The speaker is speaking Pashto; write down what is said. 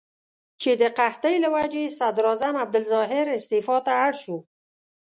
چې د قحطۍ له وجې صدراعظم عبدالظاهر استعفا ته اړ شو.